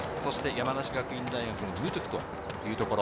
山梨学院大学のムトゥクというところ。